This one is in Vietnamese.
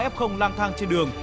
sáu mươi ba f lang thang trên đường